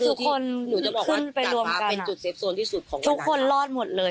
คือคนหนูจะบอกว่าเป็นจุดเซฟโซนที่สุดของทุกคนรอดหมดเลย